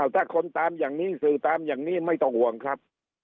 ถ้าคนตามอย่างนี้สื่อตามอย่างนี้ไม่ต้องห่วงครับ